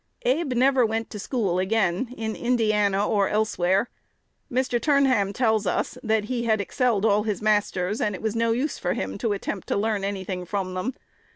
Abe never went to school again in Indiana or elsewhere. Mr. Turnham tells us, that he had excelled all his masters, and it was "no use" for him to attempt to learn any thing from them.